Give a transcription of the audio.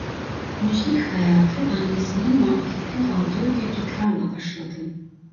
Müzik hayatı annesinin marketten aldığı bir gitarla başladı.